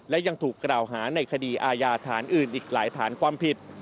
และยังถูกกล่าวหาในคดีอาญาฐานอื่นอีกหลายฐานความผิด